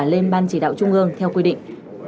lên ban chỉ đạo trung ương theo quy định